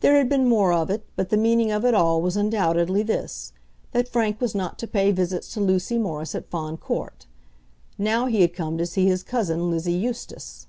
There had been more of it; but the meaning of it all was undoubtedly this, that Frank was not to pay visits to Lucy Morris at Fawn Court. Now he had come to see his cousin Lizzie Eustace.